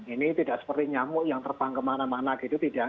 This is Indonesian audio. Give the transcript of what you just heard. ini tidak seperti nyamuk yang terbang kemana mana gitu tidak